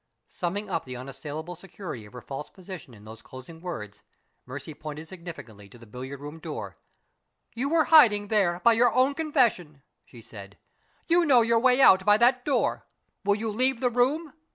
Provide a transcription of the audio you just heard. Summing up the unassailable security of her false position in those closing words, Mercy pointed significantly to the billiard room door. "You were hiding there, by your own confession," she said. "You know your way out by that door. Will you leave the room?"